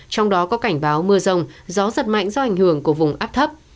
trong đó có cảnh báo mưa rông gió giật mạnh do ảnh hưởng của vùng áp thấp